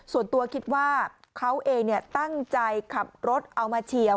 ส่วนตัวคิดว่าเขาเองตั้งใจขับรถเอามาเฉียว